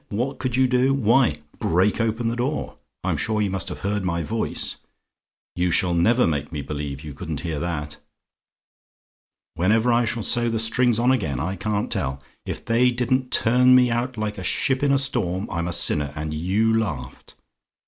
"WHAT COULD YOU DO? "Why, break open the door; I'm sure you must have heard my voice: you shall never make me believe you couldn't hear that. Whenever I shall sew the strings on again, I can't tell. If they didn't turn me out like a ship in a storm, I'm a sinner! And you laughed!